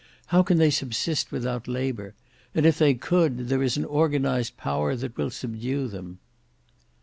How can they subsist without labour? And if they could, there is an organised power that will subdue them."